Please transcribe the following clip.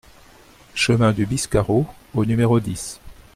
Chemin du Biscarot au numéro dix